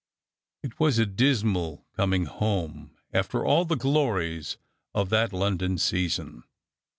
It was a dismal coming home after all the glories of that Lon dwj season.